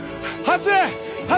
初！